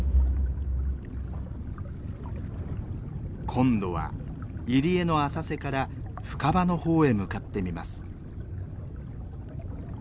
今度は入り江の浅瀬から深場のほうへ向かってみます。